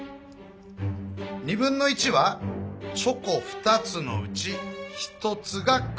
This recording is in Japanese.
1/2はチョコ２つのうち１つが黒。